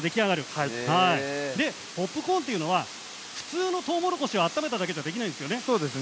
ポップコーンというのは普通とうもろこしを温めただけではできないんですね。